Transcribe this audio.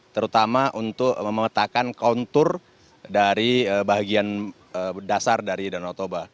terutama untuk memetakan kontur dari bahagian dasar dari danau toba